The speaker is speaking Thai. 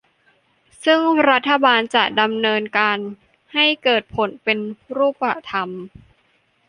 ซึ่งรัฐบาลจะดำเนินการให้เกิดผลเป็นรูปธรรม